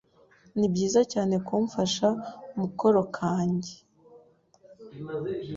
Nibyiza cyane kumfasha mukoro kanjye.